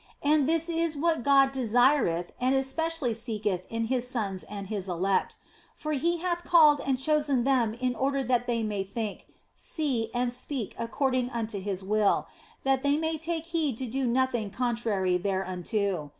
And this is what God desireth and especially seeketh in His sons and His elect ; for He hath called and chosen them in order that they may think, see, and speak according unto His will, and that they may take heed to do nothing con trary thereunto.